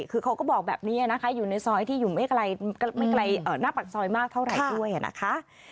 คือเขาก็บอกแบบนี้นะคะอยู่ในซอยที่อยู่ไม่ไกลหน้าปากซอยมากเท่าไหร่ด้วยนะคะ